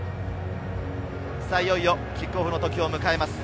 いよいよキックオフのときを迎えます。